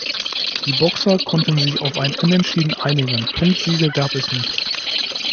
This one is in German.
Die Boxer konnten sich auf ein Unentschieden einigen, Punktsiege gab es nicht.